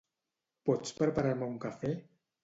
Pots preparar-me un cafè?